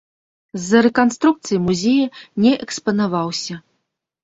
З-за рэканструкцыі музея не экспанаваўся.